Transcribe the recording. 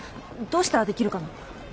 どうしたらできるかな？